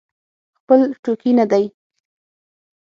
خپل ټوکي نه دی.